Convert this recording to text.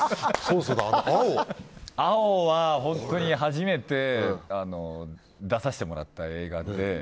「青」は本当に初めて出させてもらった映画で。